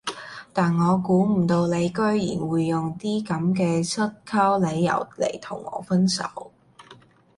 但我估唔到你居然會用啲噉嘅濕鳩理由嚟同我分手